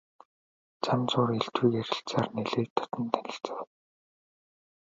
Зам зуур элдвийг ярилцсаар нэлээд дотно танилцав.